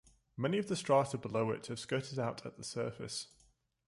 Many of the strata below it have skirted out at the surface